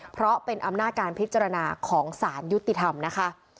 เพราะเป็นอำนาจการพิจารณาของสารยุติธรรมนะคะ